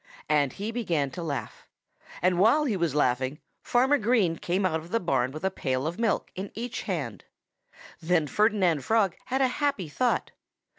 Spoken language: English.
And he began to laugh. And while he was laughing, Farmer Green came out of the barn with a pail of milk in each hand. Then Ferdinand Frog had a happy thought.